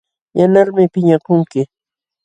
Yanqalmi piñakunki.